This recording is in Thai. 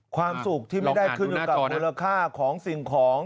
ความสุขที่ไม่ได้ขึ้นอยู่กับมูลค่าของสิ่งของ